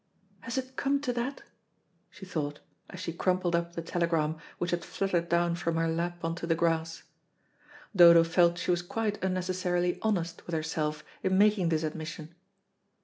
"Has it come to that?" she thought, as she crumpled up the telegram which had fluttered down from her lap on to the grass. Dodo felt she was quite unnecessarily honest with herself in making this admission.